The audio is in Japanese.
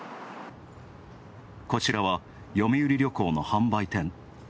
こちらは、読売旅行の販売店。